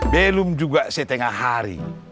belum juga setengah hari